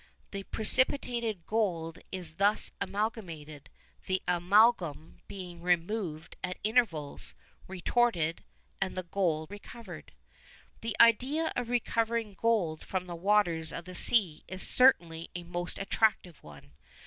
The precipitated gold is thus amalgamated, the amalgam being removed at intervals, retorted, and the gold recovered. The idea of recovering gold from the waters of the sea is certainly a most attractive one.